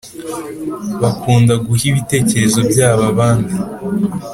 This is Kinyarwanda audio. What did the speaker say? bakunda guha bitekerezo byabo abandi